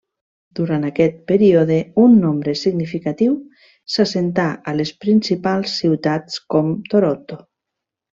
Durant aquest període, un nombre significatiu s'assentà a les principals ciutats com Toronto.